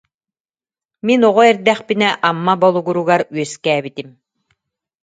Мин оҕо эрдэхпинэ Амма Болугуругар үөскээбитим